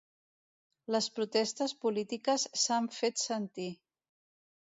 Les protestes polítiques s’han fet sentir.